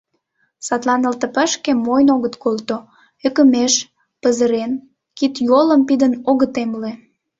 Садлан ЛТП-шке мойн огыт колто, ӧкымеш, пызырен, кид-йолым пидын огыт эмле.